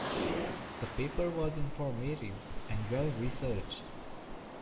The paper was informative and well researched.